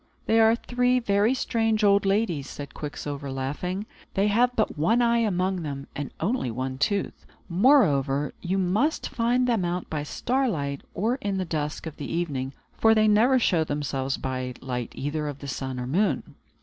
"They are three very strange old ladies," said Quicksilver, laughing. "They have but one eye among them, and only one tooth. Moreover, you must find them out by starlight, or in the dusk of the evening; for they never show themselves by the light either of the sun or moon."